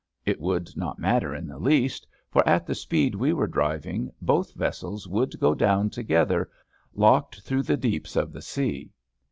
It would not matter in the least, for at the speed we were driving both vessels would go down together locked through the deeps of the sea.